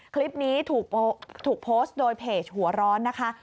คลิปนี้ถูกโพสต์โดยเพจหัวร้อนนะคะ